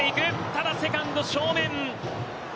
ただ、セカンド正面。